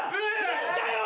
何だよ！